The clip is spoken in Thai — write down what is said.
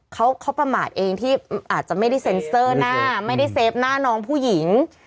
เขาประมาทเองที่อาจจะไม่ได้เซ็นเซอร์หน้าไม่ได้เซฟหน้าน้องผู้หญิง